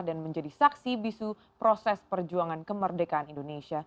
dan menjadi saksi bisu proses perjuangan kemerdekaan indonesia